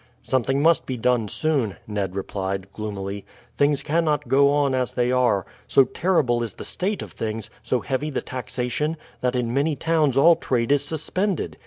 "Something must be done soon," Ned replied gloomily. "Things cannot go on as they are. So terrible is the state of things, so heavy the taxation, that in many towns all trade is suspended.